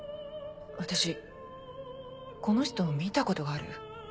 私この人を見たことがある。